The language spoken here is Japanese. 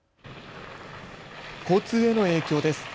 交通への影響です。